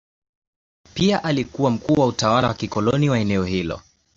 Pia alikuwa mkuu wa utawala wa kikoloni wa eneo hilo.